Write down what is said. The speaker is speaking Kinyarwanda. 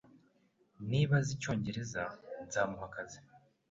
Niba azi icyongereza, nzamuha akazi